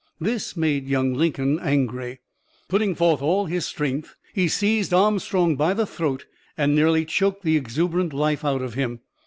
This made young Lincoln angry. Putting forth all his strength, he seized Armstrong by the throat and "nearly choked the exuberant life out of him."